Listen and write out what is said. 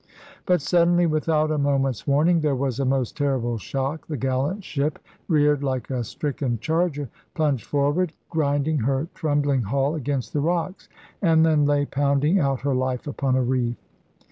But suddenly, without a moment's warning, there was a most terrific shock. The gallant ship reared like a stricken charger, plunged forward, grinding her trembling hull against the rocks, and then lay pounding out her life upon a reef.